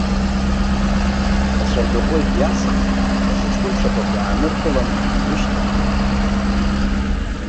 Ацәарҭаӷәы егьи азхык даҽа ҷкәынцәақәак иааныркылан, иҩышьҭырхит.